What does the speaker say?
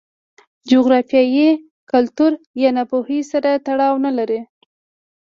له جغرافیې، کلتور یا ناپوهۍ سره تړاو نه لري.